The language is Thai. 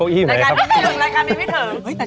โอเคไหมเฟิร์นารายการไม่ถึง